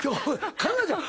佳奈ちゃん。